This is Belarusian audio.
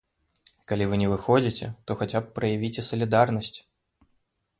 Але калі вы не выходзіце, то вы хаця б праявіце салідарнасць.